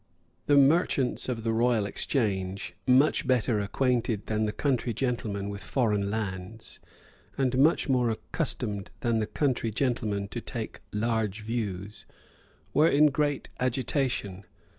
The merchants of the Royal Exchange, much better acquainted than the country gentlemen with foreign lands, and much more accustomed than the country gentlemen to take large views, were in great agitation.